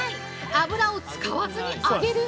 油を使わずに揚げる！？